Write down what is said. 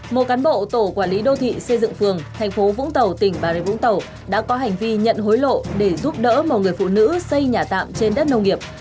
một cán bộ tổ quản lý đô thị xây dựng phường thành phố vũng tàu tỉnh bà rịa vũng tàu đã có hành vi nhận hối lộ để giúp đỡ một người phụ nữ xây nhà tạm trên đất nông nghiệp